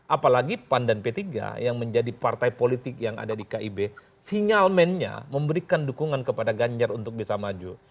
apalagi pan dan p tiga yang menjadi partai politik yang ada di kib sinyalmennya memberikan dukungan kepada ganjar untuk bisa maju